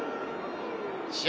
試合